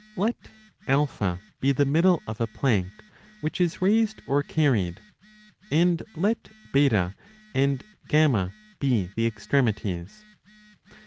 Let A be the middle of a plank which is raised or carried, and let B and ^___ =3 F be the extremities.